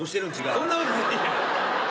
そんなわけないやん！